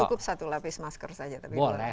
tidak cukup satu lapis masker saja tapi boleh